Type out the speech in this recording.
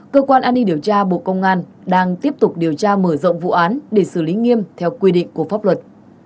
cơ quan an ninh điều tra bộ công an đang tiếp tục điều tra mở rộng vụ án để xử lý nghiêm theo quy định của pháp luật